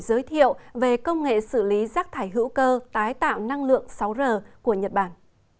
giới thiệu về công nghệ xử lý rác thải hữu cơ tái tạo năng lượng sáu r của nhật bản